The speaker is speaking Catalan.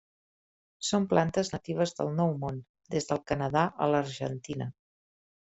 Són plantes natives del Nou Món des del Canadà a l'Argentina.